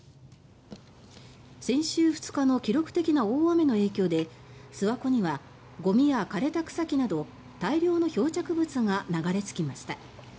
先週２日の記録的な大雨の影響で諏訪湖にはゴミや枯れた草木など大量の漂着物が流れ着きました。